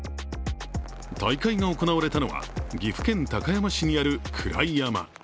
大会が行われたのは、岐阜県高山市にある位山。